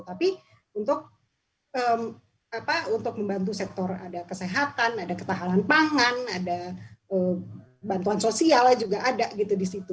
tapi untuk membantu sektor ada kesehatan ada ketahanan pangan ada bantuan sosial juga ada gitu di situ